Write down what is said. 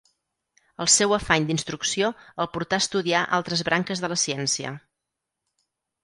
El seu afany d'instrucció el portà a estudiar altres branques de la ciència.